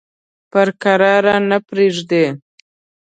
پر کراره نه پرېږدي.